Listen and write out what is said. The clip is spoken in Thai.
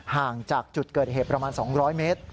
ห่างจากจุดเกิดเหตุประมาณ๒๐๐เมตร